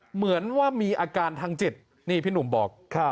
เหมือนว่ามีอาการทางจิตนี่พี่หนุ่มบอก